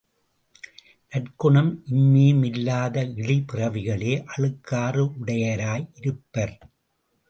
நற்குணம் இம்மியும் இல்லாத இழி பிறவிகளே அழுக்காறுடையராய் இருப்பர்.